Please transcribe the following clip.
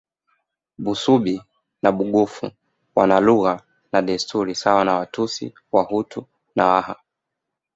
Busubi na Bugufi wana lugha na desturi sawa na Watusi Wahutu na Waha